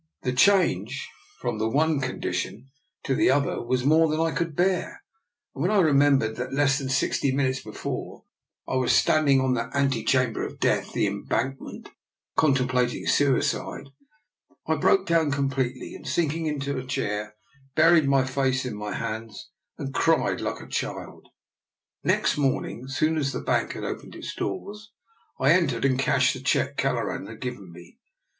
The change frpm the one condi tion to the other was more than I could bear, and when I remembered that less than sixty minutes before I was standing on that ante chamber of death, the Embankment, contem plating suicide, I broke down completely, and sinking into a chair buried my face in my hands and cried like a child. Next morning, as soon as the bank had opened its doors, I entered and cashed the cheque Kelleran had given me.